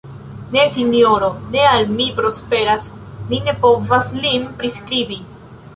Ne, sinjoro, ne al mi prosperas, mi ne povas lin priskribi.